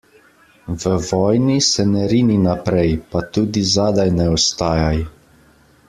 V vojni se ne rini naprej, pa tudi zadaj ne ostajaj.